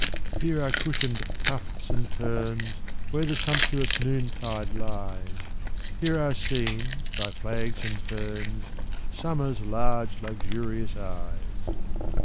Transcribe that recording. Here are cushioned tufts and turns Where the sumptuous noontide lies: Here are seen by flags and ferns Summer's large, luxurious eyes.